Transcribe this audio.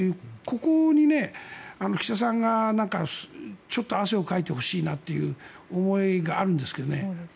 ここに岸田さんが、ちょっと汗をかいてほしいなという思いがあるんですけどね。